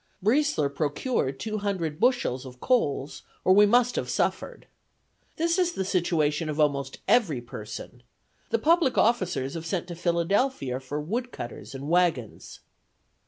Briesler procured two hundred bushels of coals or we must have suffered. This is the situation of almost every person. The public officers have sent to Philadelphia for woodcutters and waggons.